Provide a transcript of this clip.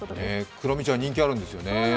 クロミちゃん人気あるんですよね。